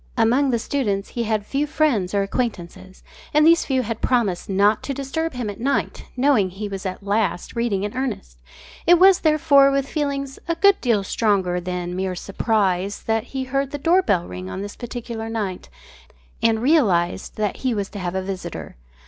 Among the students he had few friends or acquaintances, and these few had promised not to disturb him at night, knowing he was at last reading in earnest. It was, therefore, with feelings a good deal stronger than mere surprise that he heard his door bell ring on this particular night and realised that he was to have a visitor.